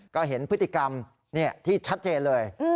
ก็เห็นพฤติกรรมที่ชัดเจนเลย